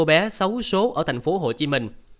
cô bé xấu xố ở thành phố hồ chí minh